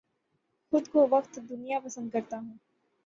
خود کو وقت دنیا پسند کرتا ہوں